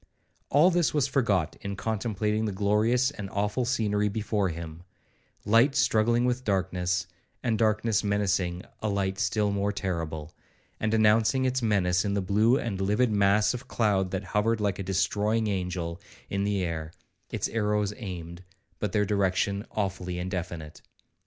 —All this was forgot in contemplating the glorious and awful scenery before him,—light struggling with darkness,—and darkness menacing a light still more terrible, and announcing its menace in the blue and livid mass of cloud that hovered like a destroying angel in the air, its arrows aimed, but their direction awfully indefinite.